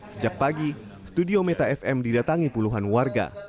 sejak pagi studio meta fm didatangi puluhan warga